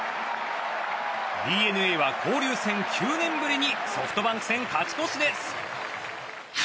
ＤｅＮＡは交流戦９年ぶりにソフトバンク戦勝ち越しです。